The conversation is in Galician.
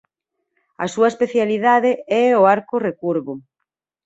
A súa especialidade é o arco recurvo.